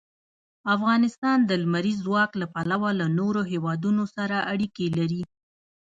افغانستان د لمریز ځواک له پلوه له نورو هېوادونو سره اړیکې لري.